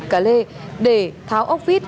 cà lê để tháo ốc vít